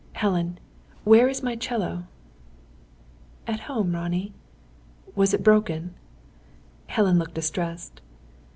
Helen where is my 'cello?" "At home, Ronnie." "Was it broken?" Helen looked distressed.